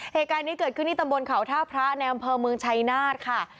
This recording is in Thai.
เหตุการณ์นี้เกิดขึ้นที่ตำบลเขาท่าพระในอำเภอเมืองชัยนาธค่ะ